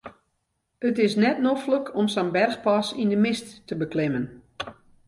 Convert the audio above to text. It is net noflik om sa'n berchpas yn de mist te beklimmen.